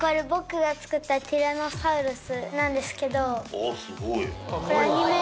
あっすごい。